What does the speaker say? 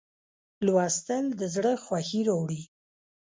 لوستل د زړه خوښي راوړي.